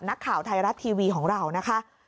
นักข่าวไทยรัฐทีวีของเรานะคะ